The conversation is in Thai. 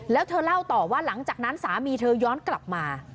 แล้วเธอเล่าต่อว่าหลังจากนั้นสามีเธอย้อนกลับมา